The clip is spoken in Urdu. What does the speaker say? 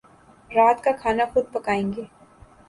رات کا کھانا خود پکائیں گے